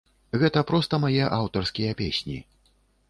Гэта проста мае аўтарскія песні.